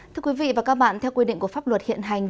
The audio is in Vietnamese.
thưa quý vị và các bạn theo quy định của pháp luật hiện hành